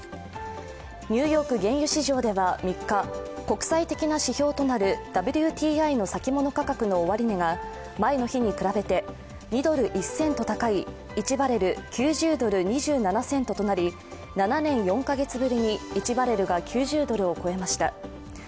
ニューヨーク原油市場では３日、国際的な指標となるＷＴＩの先物価格の終値が前の日に比べて２ドル１セント高い１バレル９０ドル＝２７セントとなり、７年４カ月ぶりに１バレルが９０ドルを超えました。